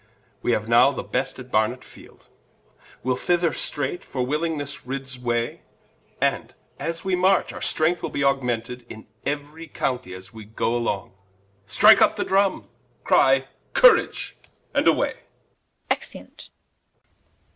We hauing now the best at Barnet field, Will thither straight, for willingnesse rids way, And as we march, our strength will be augmented: In euery Countie as we goe along, Strike vp the Drumme, cry courage, and away. Exeunt.